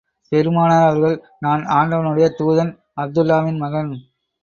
பெருமானார் அவர்கள், நான் ஆண்டவனுடைய தூதன் அப்துல்லாஹ்வின் மகன்.